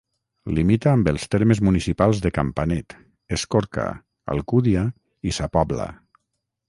Limita amb els termes municipals de Campanet, Escorca, Alcúdia i Sa Pobla.